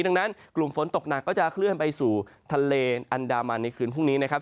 ดังนั้นกลุ่มฝนตกหนักก็จะเคลื่อนไปสู่ทะเลอันดามันในคืนพรุ่งนี้นะครับ